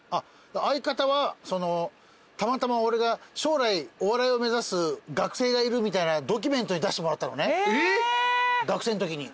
相方はたまたま俺が将来お笑いを目指す学生がいるみたいなドキュメントに出してもらったのね学生のときに。